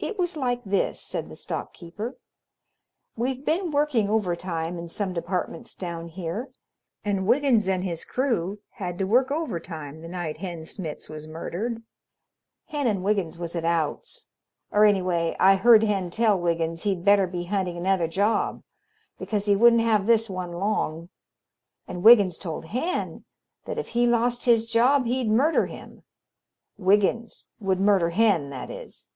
"It was like this," said the stock keeper. "We've been working overtime in some departments down here, and Wiggins and his crew had to work overtime the night Hen Smitz was murdered. Hen and Wiggins was at outs, or anyway I heard Hen tell Wiggins he'd better be hunting another job because he wouldn't have this one long, and Wiggins told Hen that if he lost his job he'd murder him Wiggins would murder Hen, that is.